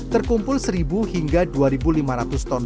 terkumpul seribu hingga dua lima ratus ton